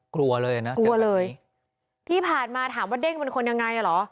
กลัวเลยนะกลัวเลยที่ผ่านมาถามว่าเด้งเป็นคนยังไงอ่ะเหรอ